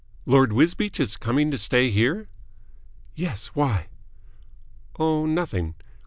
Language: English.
"Lord Wisbeach is coming to stay here?" "Yes. Why?" "Oh, nothing.